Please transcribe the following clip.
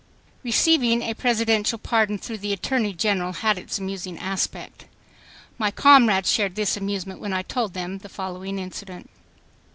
Receiving a Presidential pardon through the Attorney General had its amusing aspect. My comrades shared this amusement when I told them the following incident.